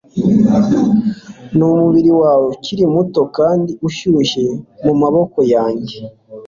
numubiri wawe ukiri muto kandi ushyushye mumaboko yanjye